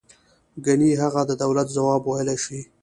گني هغه د دولت ځواب ویلای شوی.